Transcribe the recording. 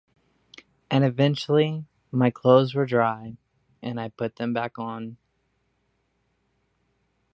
And eventually my clothes were dry, and I put them back on.